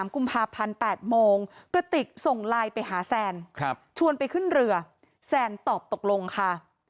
กุมภาพันธ์๘โมงกระติกส่งไลน์ไปหาแซนชวนไปขึ้นเรือแซนตอบตกลงค่ะ